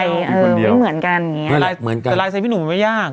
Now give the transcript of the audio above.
เออไม่เหมือนกันอย่างเงี้ยเหมือนกันแต่ลายเซ็นต์พี่หนุ่มมันไม่ยาก